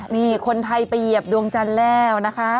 นี่คนไทยไปเหยียบดวงจันทร์แล้วนะคะ